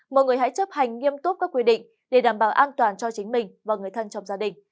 mọi người hãy chấp hành nghiêm túc các quy định để đảm bảo an toàn cho chính mình và người thân trong gia đình